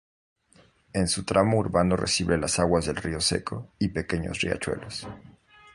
En su tramo urbano recibe las aguas del río Seco y pequeños riachuelos.